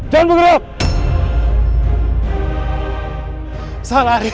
jangan bergantung gue nih rik